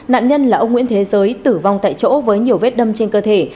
nạn nhân là ông nguyễn thế giới tử vong tại chỗ với nhiều vết đâm trên cơ thể